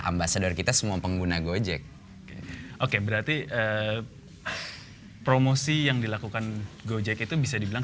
ambasador kita semua pengguna gojek oke berarti promosi yang dilakukan gojek itu bisa dibilang